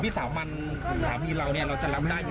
ปี๖๕วันเกิดปี๖๔ไปร่วมงานเช่นเดียวกัน